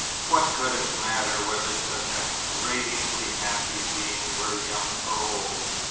What could it matter whether such a radiantly happy being were young or old?